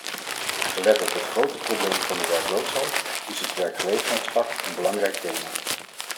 Gelet op het grote probleem van de werkloosheid is het werkgelegenheidspact een belangrijk thema.